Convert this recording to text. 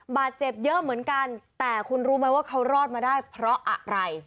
บาดเจ็บเยอะเหมือนกันแต่คุณรู้ไหมว่าเขารอดมาได้เพราะอะไร